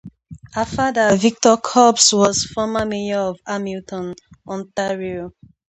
Her father, Victor Copps was former Mayor of Hamilton, Ontario.